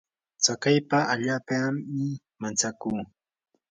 tsakaypa allaapami mantsakuu.